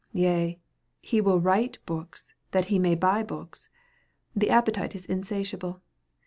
Yea, he will write books, that he may buy books! The appetite is insatiable.